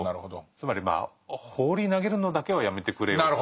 つまり放り投げるのだけはやめてくれよと。